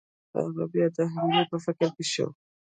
هغه بیا د حملې په فکر کې شو.